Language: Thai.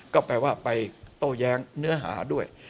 ก็แปลว่าไปโต้แย้งเนื้อหาด้วย